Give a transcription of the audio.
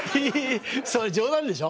それ冗談でしょ？